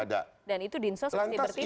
dan itu dinso seperti bertindak kan